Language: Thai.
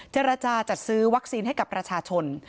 เจรจาจัดซื้อวัคซีนให้กับประชาชน